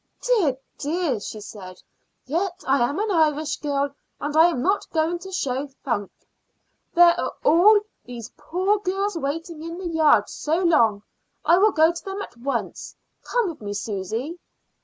"Dear, dear!" she said. "Yet I am an Irish girl, and I'm not going to show funk. There are all those poor girls waiting in the yard so long. I will go to them at once. Come with me, Susy."